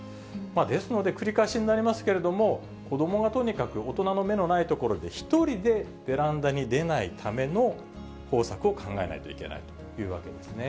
ですので、繰り返しになりますけれども、子どもはとにかく大人の目のないところで１人でベランダに出ないための方策を考えないといけないというわけですね。